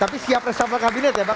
tapi siap resafah kabinet ya pak